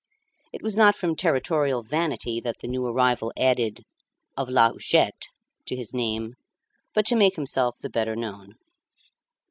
It was not from territorial vanity that the new arrival added "of La Huchette" to his name, but to make himself the better known.